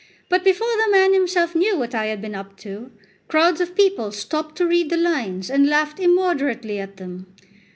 But, before the man himself knew what I had been up to, crowds of people stopped to read the lines and laughed immoderately at them.